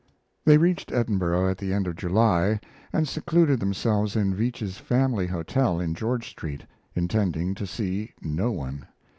They reached Edinburgh at the end of July and secluded themselves in Veitch's family hotel in George Street, intending to see no one.